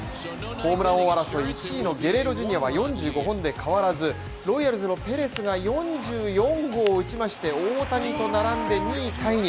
ホームラン王争い、１位のゲレーロジュニアは４５本で変わらず、ロイヤルズのペレスが４４号を打ちまして大谷と並んで２位タイに。